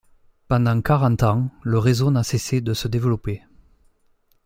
Pendant quarante ans, le réseau n'a cessé de se développer.